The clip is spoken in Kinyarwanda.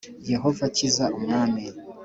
Yehova kiza umwami